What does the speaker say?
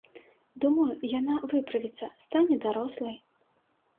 Думаю, яна выправіцца, стане дарослай.